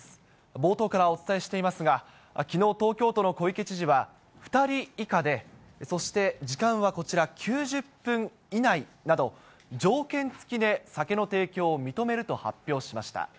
冒頭からお伝えしていますが、きのう東京都の小池知事は、２人以下でそして時間はこちら９０分以内など、条件付きで酒の提供を認めると発表しました。